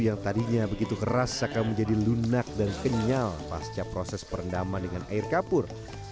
yang tadinya begitu keras akan menjadi lunak dan kenyal pasca proses perendaman dengan air kapur